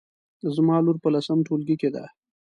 زما لور په لسم ټولګي کې ده